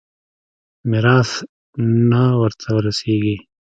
ميراث نه ورته رسېږي.